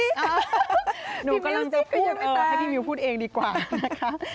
พี่มิวสิ่งกันยังไม่ตายให้พี่มิวพูดเองดีกว่านะคะ